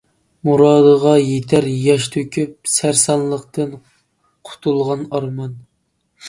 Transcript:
مۇرادىغا يېتەر ياش تۆكۈپ، سەرسانلىقتىن قۇتۇلغان ئارمان.